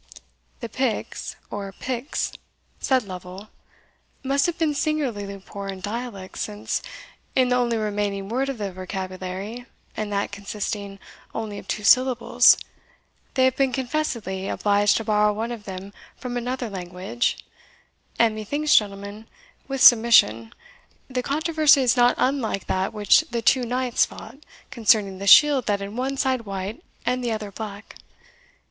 "The Piks, or Picts," said Lovel, "must have been singularly poor in dialect, since, in the only remaining word of their vocabulary, and that consisting only of two syllables, they have been confessedly obliged to borrow one of them from another language; and, methinks, gentlemen, with submission, the controversy is not unlike that which the two knights fought, concerning the shield that had one side white and the other black.